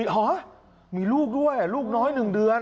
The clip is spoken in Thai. เหรอมีลูกด้วยลูกน้อย๑เดือน